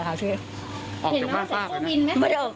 ออกจากบ้านฝ้าไปนะ